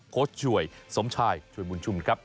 ช่วยสมชายช่วยบุญชุมครับ